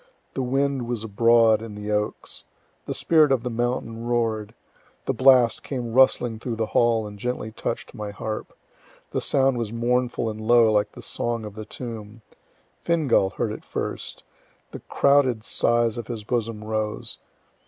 The wind was abroad in the oaks. The spirit of the mountain roar'd. The blast came rustling through the hall, and gently touch'd my harp. The sound was mournful and low, like the song of the tomb. Fingal heard it the first. The crowded sighs of his bosom rose.